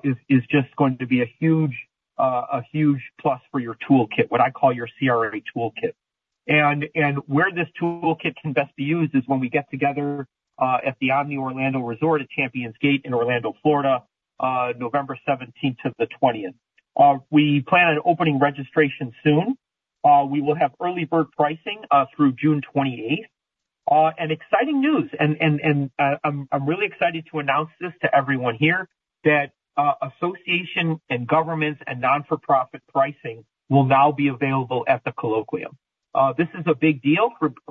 is just going to be a huge plus for your toolkit, what I call your CRA toolkit. Where this toolkit can best be used is when we get together at the Omni Orlando Resort at ChampionsGate in Orlando, Florida, November 17th to the 20th. We plan on opening registration soon. We will have early bird pricing through June 28th. Exciting news - and I'm really excited to announce this to everyone here - that association and governments and nonprofit pricing will now be available at the colloquium. This is a big deal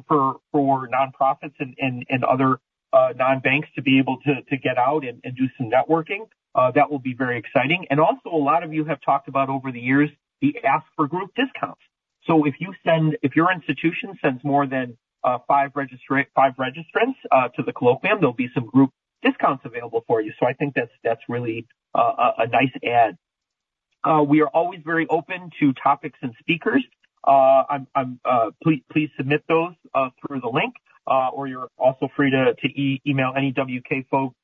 for nonprofits and other non-banks to be able to get out and do some networking. That will be very exciting. And also, a lot of you have talked about over the years the ask-for-group discounts. So if your institution sends more than five registrants to the colloquium, there'll be some group discounts available for you. So I think that's really a nice add. We are always very open to topics and speakers. Please submit those through the link. Or you're also free to email any WK folks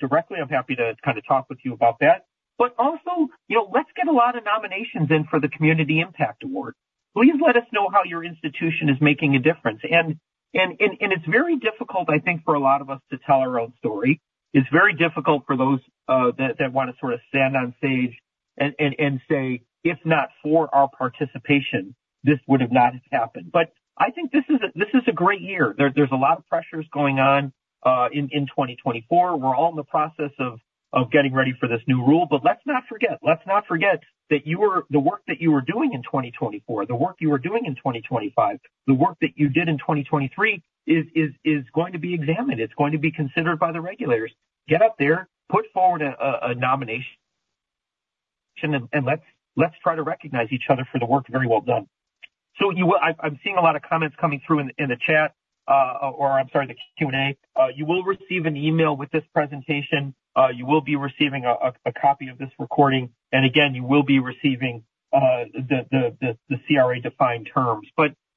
directly. I'm happy to kind of talk with you about that. But also, let's get a lot of nominations in for the Community Impact Award. Please let us know how your institution is making a difference. And it's very difficult, I think, for a lot of us to tell our own story. It's very difficult for those that want to sort of stand on stage and say, "If not for our participation, this would have not happened." But I think this is a great year. There's a lot of pressures going on in 2024. We're all in the process of getting ready for this new rule. But let's not forget. Let's not forget that the work that you were doing in 2024, the work you were doing in 2025, the work that you did in 2023 is going to be examined. It's going to be considered by the regulators. Get up there. Put forward a nomination. And let's try to recognize each other for the work very well done. So I'm seeing a lot of comments coming through in the chat or, I'm sorry, the Q&A. You will receive an email with this presentation. You will be receiving a copy of this recording. And again, you will be receiving the CRA Defined Terms.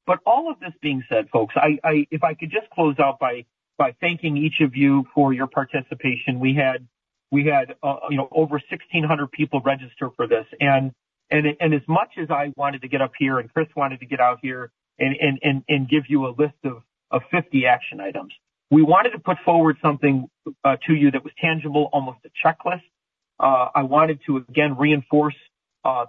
But all of this being said, folks, if I could just close out by thanking each of you for your participation. We had over 1,600 people register for this. And as much as I wanted to get up here and Kris wanted to get out here and give you a list of 50 action items, we wanted to put forward something to you that was tangible, almost a checklist. I wanted to, again, reinforce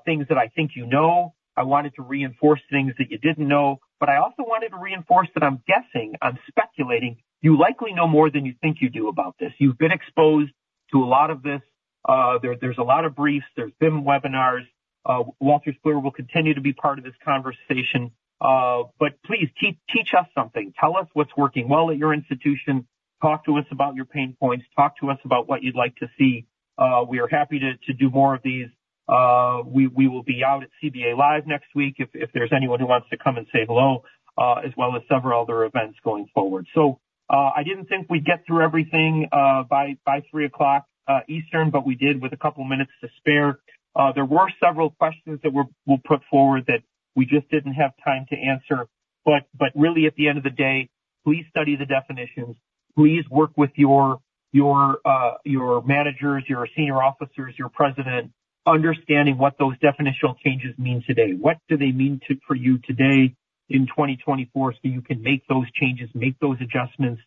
things that I think you know. I wanted to reinforce things that you didn't know. But I also wanted to reinforce that I'm guessing, I'm speculating, you likely know more than you think you do about this. You've been exposed to a lot of this. There's a lot of briefs. There's been webinars. Wolters Kluwer will continue to be part of this conversation. But please teach us something. Tell us what's working well at your institution. Talk to us about your pain points. Talk to us about what you'd like to see. We are happy to do more of these. We will be out at CBA Live next week if there's anyone who wants to come and say hello, as well as several other events going forward. So I didn't think we'd get through everything by 3:00 P.M. Eastern, but we did with a couple of minutes to spare. There were several questions that we'll put forward that we just didn't have time to answer. But really, at the end of the day, please study the definitions. Please work with your managers, your senior officers, your president, understanding what those definitional changes mean today. What do they mean for you today in 2024 so you can make those changes, make those adjustments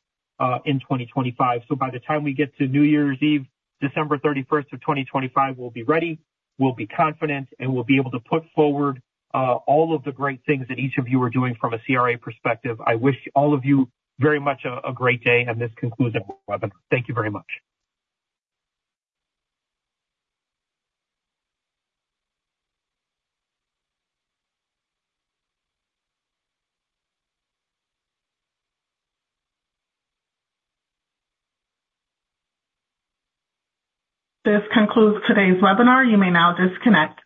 in 2025? By the time we get to New Year's Eve, December 31st of 2025, we'll be ready. We'll be confident. We'll be able to put forward all of the great things that each of you are doing from a CRA perspective. I wish all of you very much a great day. This concludes our webinar. Thank you very much. This concludes today's webinar. You may now disconnect.